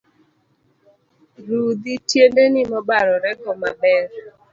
Rudhi tiendeni mobarore go maber.